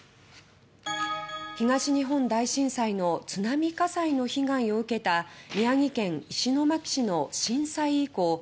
東日本大震災の津波火災の被害を受けた宮城県石巻市の震災遺構